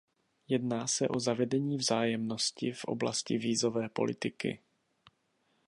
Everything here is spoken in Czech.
Jedná se o zavedení vzájemnosti v oblasti vízové politiky.